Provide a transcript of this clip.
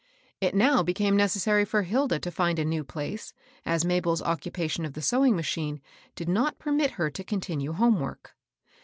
It now became necessaiy for Hilda to find a new place, as Mabel's occupation of the sewing machine did not permit her to continue home work.